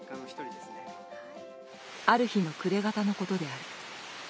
「ある日の暮れ方のことである。